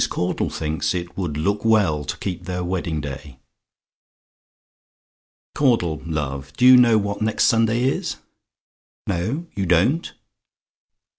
CAUDLE THINKS "IT WOULD LOOK WELL TO KEEP THEIR WEDDING DAY." "Caudle, love, do you know what next Sunday is? "NO! YOU DON'T?